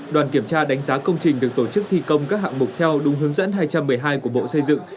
đoàn kiểm tra đánh giá công trình được tổ chức thi công các hạng mục theo đúng hướng dẫn hai trăm một mươi hai của bộ xây dựng